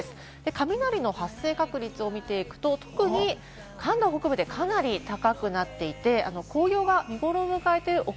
雷の発生確率を見ていくと、特に関東北部でかなり高くなっていて、紅葉が見ごろを迎えている奥